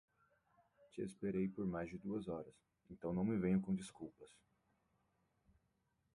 Te esperei por mais de duas horas, então não me venha com desculpas.